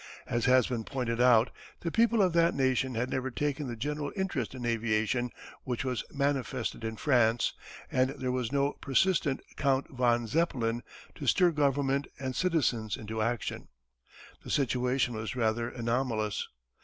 As has been pointed out the people of that nation had never taken the general interest in aviation which was manifested in France, and there was no persistent Count von Zeppelin to stir government and citizens into action. The situation was rather anomalous.